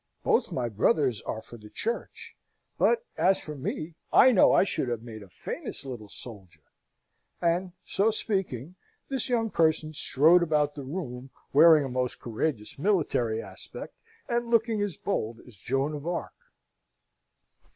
Both my brothers are for the Church; but, as for me, I know I should have made a famous little soldier!" And, so speaking, this young person strode about the room, wearing a most courageous military aspect, and looking as bold as Joan of Arc.